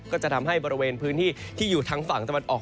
ก็จะทำให้บริเวณพื้นที่ที่อยู่ทางฝั่งตะวันออก